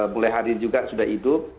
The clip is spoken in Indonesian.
mulai hadir juga sudah itu